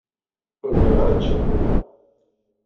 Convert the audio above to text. Ur bɣiɣ ara ad ččeɣ imir-a.